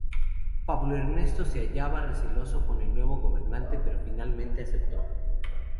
Pablo Ernesto se hallaba receloso con el nuevo gobernante, pero finalmente aceptó.